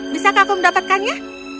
bisakah aku mendapatkannya